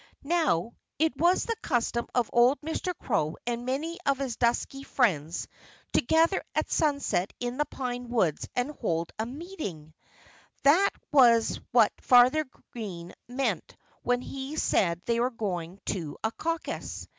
Now, it was the custom of old Mr. Crow and many of his dusky friends to gather at sunset in the pine woods and hold a meeting. That was what Farmer Green meant when he said they were going to a caucus.